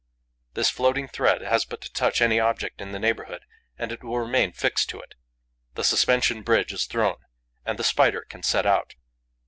This floating thread has but to touch any object in the neighbourhood and it will remain fixed to it. The suspension bridge is thrown; and the Spider can set out.